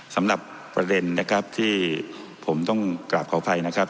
สำหรับประเด็นนะครับที่ผมต้องกราบขออภัยนะครับ